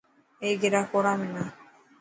هيڪ گرا کوڙا منا.